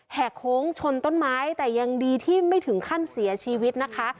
โค้งชนต้นไม้แต่ยังดีที่ไม่ถึงขั้นเสียชีวิตนะคะ